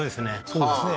そうですね